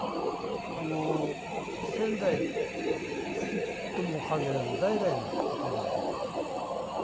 あの先代とも限らず代々の音でないとね。